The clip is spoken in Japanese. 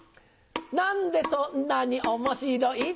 何でそんなに面白い？